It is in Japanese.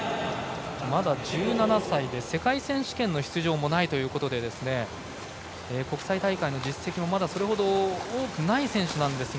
まだ１７歳で世界選手権の出場もないということで国際大会の実績もまだそれほど多くない選手ですが。